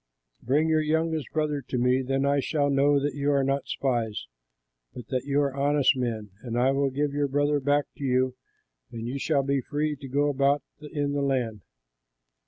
Bring your youngest brother to me; then I shall know that you are not spies, but that you are honest men; and I will give your brother back to you and you shall be free to go about in the land.'"